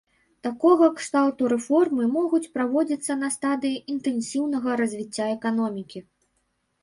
Такога кшталту рэформы могуць праводзіцца на стадыі інтэнсіўнага развіцця эканомікі.